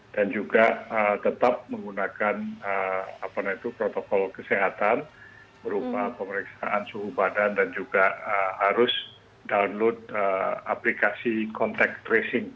dan juga tetap menggunakan protokol kesehatan berupa pemeriksaan suhu badan dan juga harus download aplikasi contact tracing